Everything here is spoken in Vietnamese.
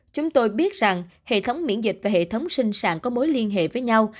chúng tôi biết rằng hệ thống miễn dịch và hệ thống sinh sản có mối liên hệ với nhau